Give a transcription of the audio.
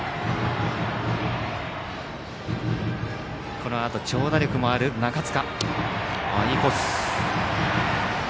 このあと、長打力のある中塚。